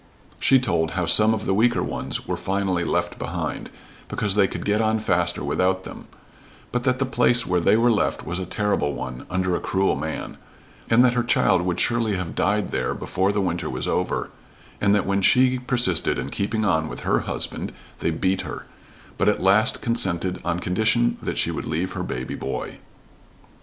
She told how some of the weaker ones were finally left behind, because they could get on faster without them, but that the place where they were left was a terrible one under a cruel man, and that her child would surely have died there before the winter was over, and that when she persisted in keeping on with her husband, they beat her, but at last consented on condition that she would leave her baby boy.